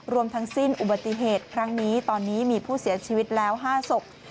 รวมทั้งสิ้นอุบัติเหตุครั้งนี้ตอนนี้มีผู้เสียชีวิตแล้ว๕ศพ